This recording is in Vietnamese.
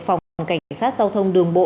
phòng cảnh sát giao thông đường bộ